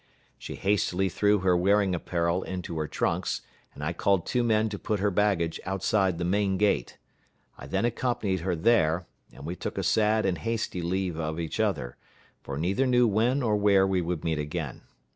She hastily threw her wearing apparel into her trunks, and I called two men to put her baggage outside the main gate. I then accompanied her there, and we took a sad and hasty leave of each other, for neither knew when or where we would meet again.